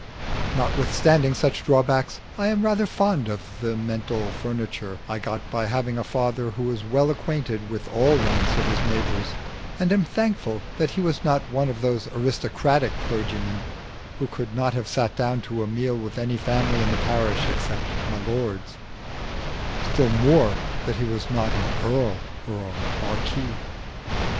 Notwithstanding such drawbacks I am rather fond of the mental furniture I got by having a father who was well acquainted with all ranks of his neighbours, and am thankful that he was not one of those aristocratic clergymen who could not have sat down to a meal with any family in the parish except my lord's still more that he was not an earl or a marquis.